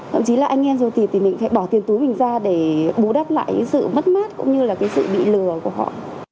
thậm chí là anh em rồi thì mình phải bỏ tiền túi mình ra để bú đắp lại sự mất mát cũng như là sự bị lừa của họ